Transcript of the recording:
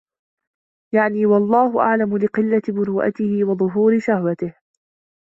يَعْنِي وَاَللَّهُ أَعْلَمُ لِقِلَّةِ مُرُوءَتِهِ ، وَظُهُورِ شَهْوَتِهِ